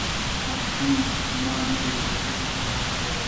ماشوم زما نه دی هغې ته یې ورکړئ.